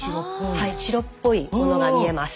はい白っぽいものが見えます。